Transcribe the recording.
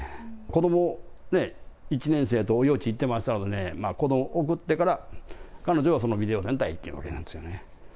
子どもね、１年生と幼稚園行ってましたのでね、子どもを送ってから、彼女はそのビデオセンター行ってたわけなんですよね。